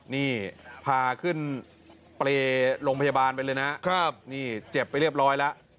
นี่พาขึ้นเปรย์โรงพยาบาลไปเลยนะครับนี่เจ็บไปเรียบร้อยแล้ว